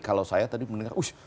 kalau saya tadi mendengar